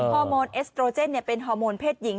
ฮอร์โมนเอสโตรเจนเป็นฮอร์โมนเพศหญิง